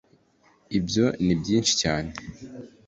ibyo ni byinshi cyane.